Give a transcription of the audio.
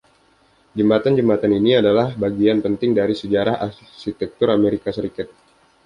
Jembatan-jembatan ini adalah bagian penting dari sejarah arsitektur Amerika Serikat.